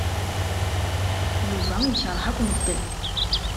Yuba yekṛeh akk medden.